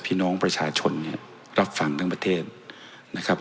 พี่น้องประชาชนเนี่ยรับฟังทั้งประเทศนะครับ